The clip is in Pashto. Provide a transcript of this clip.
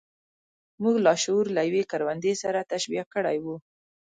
موږ لاشعور له يوې کروندې سره تشبيه کړی و.